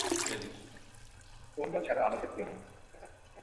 তোমরা ছাড়া আমাদের কেউ নেই।